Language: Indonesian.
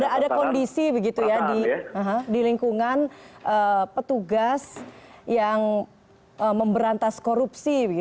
ada kondisi begitu ya di lingkungan petugas yang memberantas korupsi